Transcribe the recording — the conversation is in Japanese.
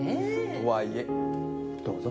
とはいえどうぞ。